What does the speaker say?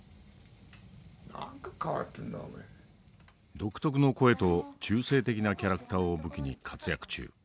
独特の声と中性的なキャラクターを武器に活躍中。